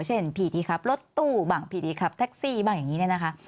เช่นพี่ที่ขับรถตู้บ้างพี่ดีขับแท็กซี่บ้างอย่างนี้เนี่ยนะคะ